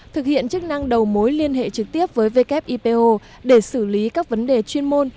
thực hiện chức năng đầu mối liên hệ trực tiếp với wipo để xử lý các vấn đề chuyên môn